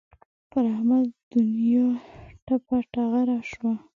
پر احمد دونیا ټپه ټغره شوه.